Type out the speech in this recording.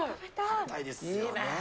食べたいですよね。